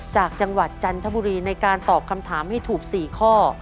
จากจังหวัดจันทบุรีในการตอบคำถามให้ถูก๔ข้อ